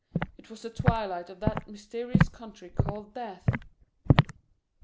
It was the twilight of that mysterious country called Death!